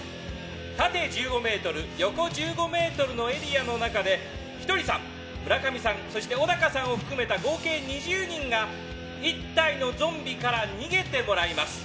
縦１５ｍ、横１５ｍのエリアの中でひとりさん、村上さんそして小高さんを含めた合計２０人が１体のゾンビから逃げてもらいます。